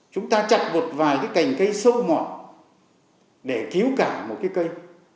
chúng ta chặt một vài cái cành cây sâu mọt để cứu cả một cái cây